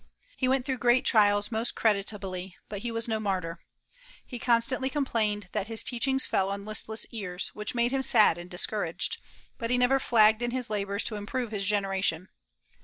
He went through great trials most creditably, but he was no martyr. He constantly complained that his teachings fell on listless ears, which made him sad and discouraged; but he never flagged in his labors to improve his generation.